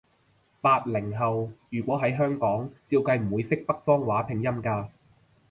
八零後，如果喺香港，照計唔會識北方話拼音㗎